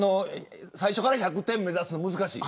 最初から１００点を目指すのは難しい。